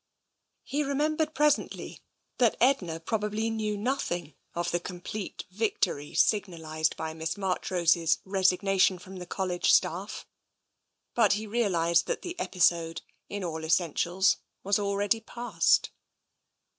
He remembered presently that Edna probably knew nothing of the complete victory signalised by Miss Marchrose's resignation from the College staff ; but he realised that the episode, in all essentials, was already past.